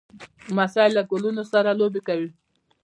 لمسی له ګلونو سره لوبې کوي.